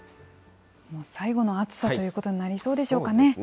最後の暑さということになりそうでしょうかね。